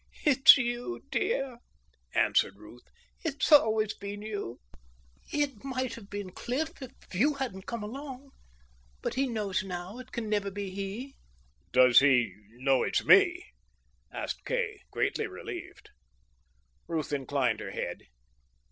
"It's you, dear," answered Ruth. "It's always been you. It might have been Cliff if you hadn't come along. But he knows now it can never be he." "Does he know it's me?" asked Kay, greatly relieved. Ruth inclined her head.